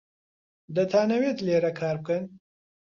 دەتانەوێت لێرە کار بکەن؟